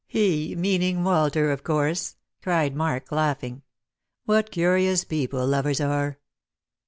"'He' meaning Walter, of course," cried Mark, laughing. " What curious people lovers are